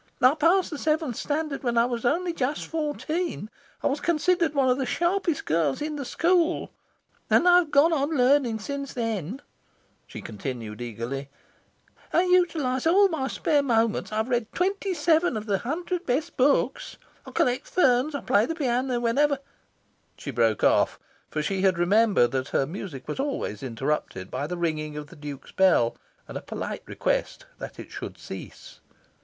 I passed the Seventh Standard when I was only just fourteen. I was considered one of the sharpest girls in the school. And I've gone on learning since then," she continued eagerly. "I utilise all my spare moments. I've read twenty seven of the Hundred Best Books. I collect ferns. I play the piano, whenever..." She broke off, for she remembered that her music was always interrupted by the ringing of the Duke's bell and a polite request that it should cease.